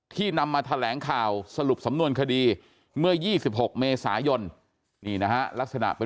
นำมาแถลงข่าวสรุปสำนวนคดีเมื่อ๒๖เมษายนนี่นะฮะลักษณะเป็น